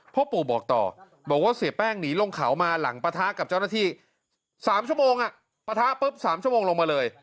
พ่อปู่บอกต่อบอกว่าเสียแป้งหนีลงเขามาหลังปะทะกับเจ้าหน้าที่๓ชั่วโมงปะทะปุ๊บ๓ชั่วโมงลงมาเลย